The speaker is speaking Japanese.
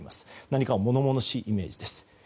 何か物々しいイメージです。